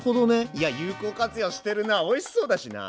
いや有効活用してるなおいしそうだしな。